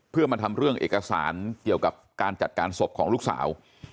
เพื่อมาทำเรื่องเอกสารเกี่ยวกับการจัดการศพของลูกสาว